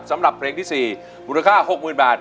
สำหรับเพลงที่๔มูลค่า๖๐๐๐บาท